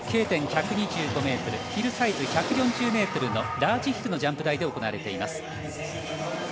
Ｋ点１２５ｍヒルサイズ１４０ｍのラージヒルのジャンプ台で行われています。